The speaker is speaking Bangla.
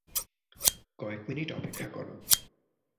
কয়েক মিনিট অপেক্ষা করো।